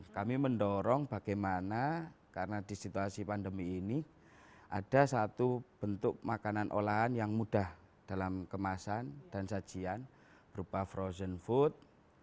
kami mendorong bagaimana karena di situasi pandemi ini ada satu bentuk makanan olahan yang mudah dalam kemasan dan sajian berupa frozen food